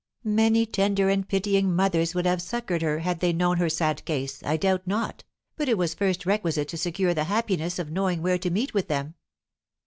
Many tender and pitying mothers would have succoured her had they known her sad case, I doubt not, but it was first requisite to secure the happiness of knowing where to meet with them.